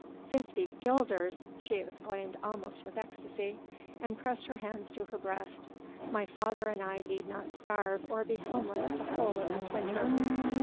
"Fifty guilders!" she exclaimed almost with ecstasy, and pressed her hands to her breast. "My father and I need not starve or be homeless the whole of this winter."